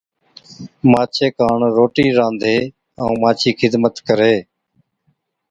مانڇي ڪاڻ روٽِي رانڌي ائُون مانڇِي خدمت ڪرهي‘۔